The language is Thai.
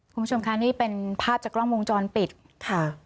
คุณผู้ชมค่ะนี่เป็นภาพจากกล้องวงจรปิดค่ะ